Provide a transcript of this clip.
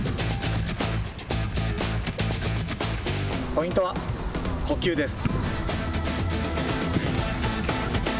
ポイントは呼吸です。